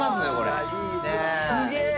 すげえ。